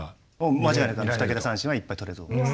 間違いなく２桁三振はいっぱいとれると思います。